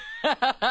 ハハハ。